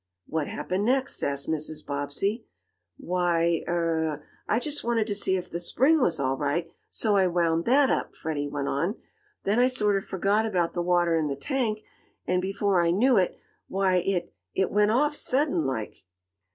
"What happened next?" asked Mrs. Bobbsey. "Why er I just wanted to see if the spring was all right, so I wound that up," Freddie went on. "Then I sort of forgot about the water in the tank, and before I knew it, why it it went off sudden like."